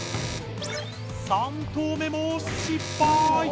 ３投目も失敗。